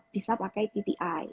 bisa pakai ppi